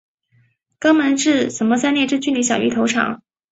肛门至鳃裂之距离小于头长。